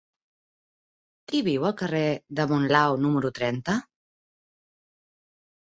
Qui viu al carrer de Monlau número trenta?